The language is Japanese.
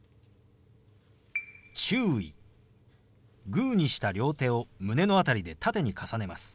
グーにした両手を胸の辺りで縦に重ねます。